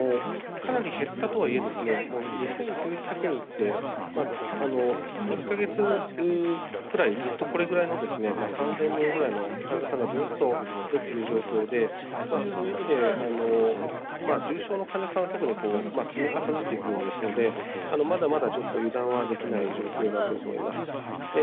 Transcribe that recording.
かなり減ったとはいえ、もう２９００人で、１か月くらい、ずっとこれぐらいの３０００人ぐらいの患者さんがずっと出ている状況で、そういう意味で、重症の患者さんが特に積み重なっていくものですので、まだまだちょっと油断はできない状況だと思います。